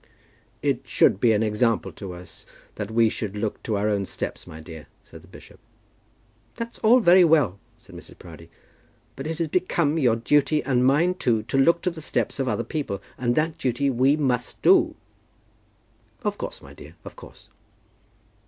"It should be an example to us, that we should look to our own steps, my dear," said the bishop. "That's all very well," said Mrs. Proudie, "but it has become your duty, and mine too, to look to the steps of other people; and that duty we must do." "Of course, my dear; of course."